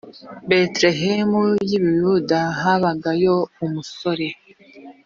betelehemu y i buyuda habagayo umusore